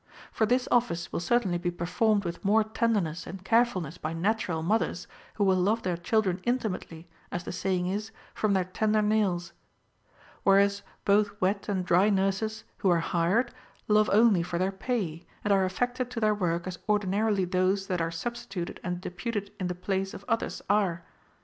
For this office will certainly be performed with more tenderness and carefulness by natu ral mothers, who will love their children intimately, as the saying is, from their tender nails.* Whereas, both wet and dry nurses, who are hired, love only for their pay, * 'Έ,ξ ονύχων απαλών. ο OF THE TRAINING OF CHILDREN. and are aifected to their work as ordinarily those that are substituted and deputed in the place of others are.